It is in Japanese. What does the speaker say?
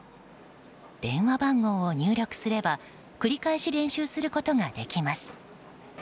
電話番号を入力すれば繰り返し練習することができます。